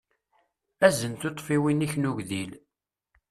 Azen tuṭṭfiwin-ik n ugdil.